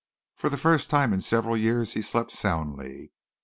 For the first time in several years he slept soundly.